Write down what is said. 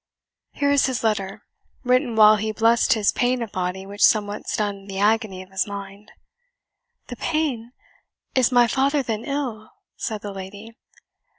Here is his letter, written while he blessed his pain of body which somewhat stunned the agony of his mind." "The pain! Is my father then ill?" said the lady.